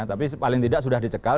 tapi paling tidak sudah dicekal